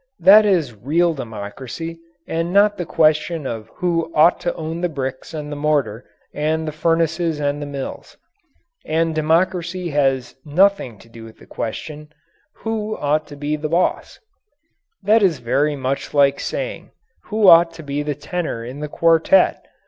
That is real democracy and not the question of who ought to own the bricks and the mortar and the furnaces and the mills. And democracy has nothing to do with the question, "Who ought to be boss?" That is very much like asking: "Who ought to be the tenor in the quartet?"